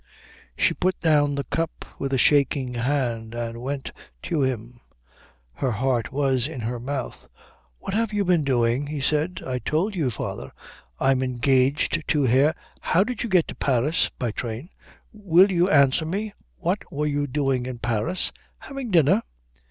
She put down the cup with a shaking hand and went to him. Her heart was in her mouth. "What have you been doing?" he said. "I told you, father. I'm engaged to Herr " "How did you get to Paris?" "By train." "Will you answer me? What were you doing in Paris?" "Having dinner."